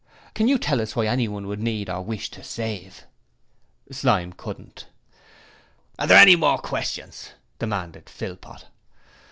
Can you tell us why anyone would need or wish to save?' Slyme couldn't. 'Are there any more questions?' demanded Philpot.